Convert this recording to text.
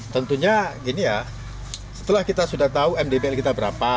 tentunya gini ya setelah kita sudah tahu mdbl kita berapa